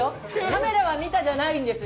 カメラは見たじゃないんです。